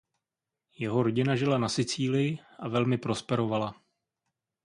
Jeho rodina žila na Sicílii a velmi prosperovala.